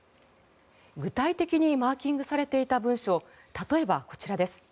具体的にマーキングされていた文書例えばこちらです。